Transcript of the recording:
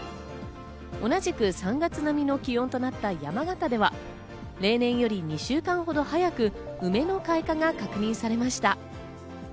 同じく３月並みの気温となった山形では、例年より２週間ほど早く梅の開花が確認されました。